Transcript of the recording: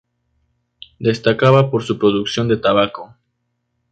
Destacaba por su producción de tabaco.